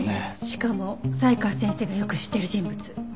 しかも才川先生がよく知ってる人物。